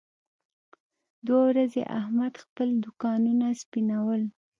دوه ورځې احمد خپل دوکانونه سپینول.